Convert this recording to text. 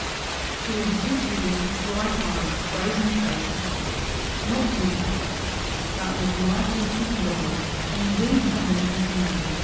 She was a quick witted, bright eyed, brazen faced hussy, not beautiful, but with lively pretty ways, and indeed somewhat fascinating.